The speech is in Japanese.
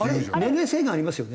年齢制限ありますよね？